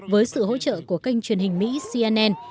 với sự hỗ trợ của kênh truyền hình mỹ cnn